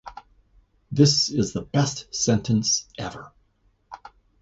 This is the best sentence ever.